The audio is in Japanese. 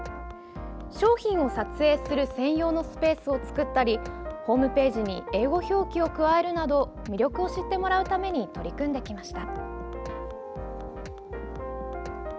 商品を撮影する専用のスペースを作ったりホームページに英語表記を加えるなど魅力を知ってもらうために取り組んできました。